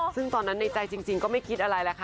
ซึ่งตอนนั้นในใจจริงก็ไม่คิดอะไรแล้วค่ะ